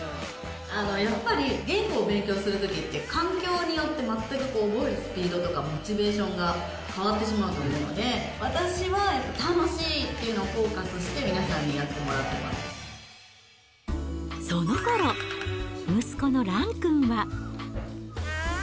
やっぱり言語を勉強するときって、環境によって全くこう、覚えるスピードとかモチベーションが変わってしまうと思うので、私は楽しいっていうのをフォーカスして、皆さんにやってもらってそのころ、息子のランくんは。